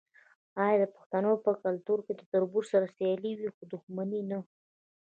آیا د پښتنو په کلتور کې د تربور سره سیالي وي خو دښمني نه؟